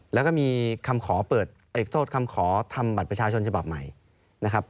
แล้วก็มีคำขอเปิดเอกโทษคำขอทำบัตรประชาชนฉบับใหม่นะครับ